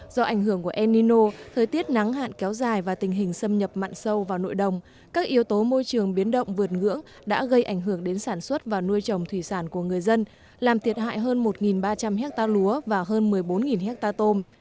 do ảnh hưởng của enino thời tiết nắng hạn kéo dài và tình hình xâm nhập mặn sâu vào nội đồng các yếu tố môi trường biến động vượt ngưỡng đã gây ảnh hưởng đến sản xuất và nuôi trồng thủy sản của người dân làm thiệt hại hơn một ba trăm linh hectare lúa và hơn một mươi bốn hectare tôm